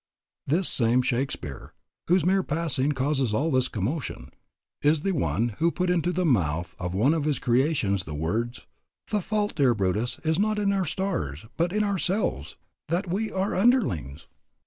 This same Shakspeare, whose mere passing causes all this commotion, is the one who put into the mouth of one of his creations the words: "The fault, dear Brutus, is not in our stars, but in ourselves, that we are underlings."